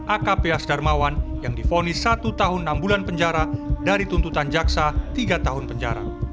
akp asdarmawan yang difonis satu tahun enam bulan penjara dari tuntutan jaksa tiga tahun penjara